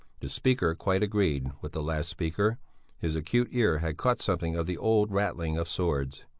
The speaker quite agreed with the last speaker; his acute ear had caught something of the old rattling of swords.